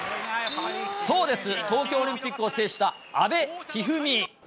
そうです、東京オリンピックを制した阿部一二三。